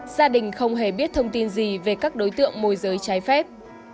gia đình không hề biết thông tin gì về các đối tượng môi giới trái phép